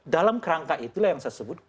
dalam kerangka itulah yang saya sebut